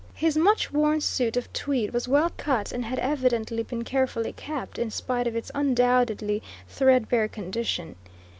His much worn suit of tweed was well cut and had evidently been carefully kept, in spite of its undoubtedly threadbare condition.